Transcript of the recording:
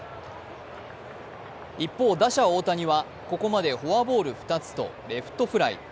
一方、打者・大谷は、ここまでフォアボール２つとレフトフライ。